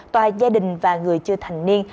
tòa gia đình và người chưa thành niên